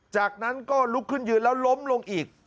จากนั้นก็ลุกขึ้นยืนแล้วล้มลงอีก